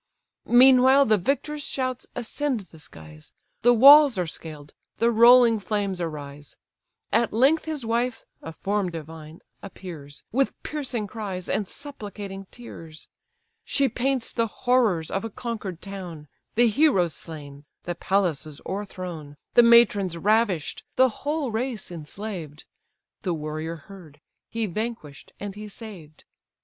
Meanwhile the victor's shouts ascend the skies; The walls are scaled; the rolling flames arise; At length his wife (a form divine) appears, With piercing cries, and supplicating tears; She paints the horrors of a conquer'd town, The heroes slain, the palaces o'erthrown, The matrons ravish'd, the whole race enslaved: The warrior heard, he vanquish'd, and he saved.